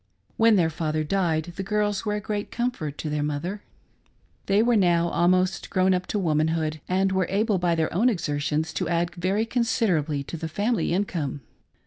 When their father died, the girls were a great comfort to their mother. They were now almost grown up to womanhood, and were able by their own exertions to add very considerably to the family income.